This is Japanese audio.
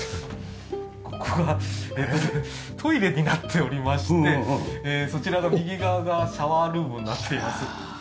ここがトイレになっておりましてそちらが右側がシャワールームになっています。